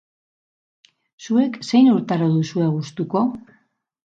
Zuek zein urtaro duzue gustuko?